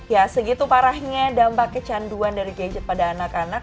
ya segitu parahnya dampak kecanduan dari gadget pada anak anak